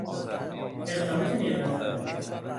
اقدامات نیمه کاره